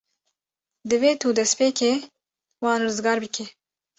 Divê tu destpêkê wan rizgar bikî.